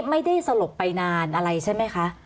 ไม่ได้สลบไปนานอะไรใช่ไหมคะ